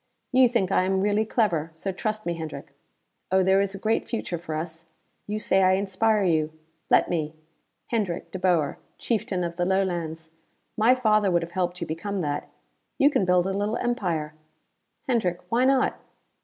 "You think I am really clever, so trust me, Hendrick. Oh there is a great future for us: you say I inspire you; let me! Hendrick De Boer, Chieftain of the Lowlands! My father would have helped you become that. You can build a little empire. Hendrick why not?